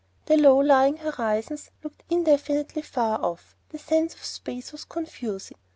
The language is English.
The low lying horizons looked infinitely far off; the sense of space was confusing.